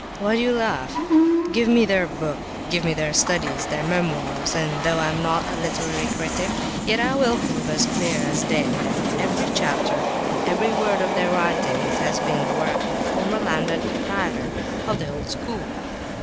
Why do you laugh? Give me their books, give me their studies, their memoirs, and though I am not a literary critic, yet I will prove as clear as day that every chapter and every word of their writings has been the work of a former landed proprietor of the old school.